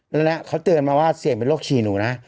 แล้วเนี่ยเขาเตือนมาว่าเสี่ยงเป็นโรคฉี่หนูนะ